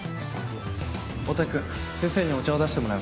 大竹君先生にお茶を出してもらえますか？